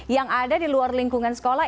yang ada di luar lingkungan sekolah